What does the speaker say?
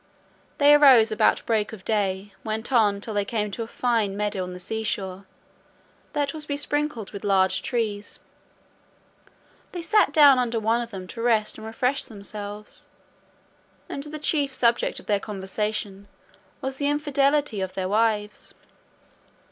They arose about break of day, went on till they came to a fine meadow on the seashore, that was be sprinkled with large trees They sat down under one of them to rest and refresh themselves, and the chief subject of their conversation was the infidelity or their wives.